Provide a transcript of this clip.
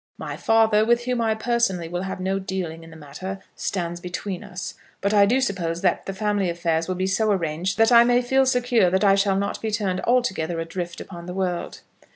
My father, with whom I personally will have no dealing in the matter, stands between us. But I do suppose that the family affairs will be so arranged that I may feel secure that I shall not be turned altogether adrift upon the world.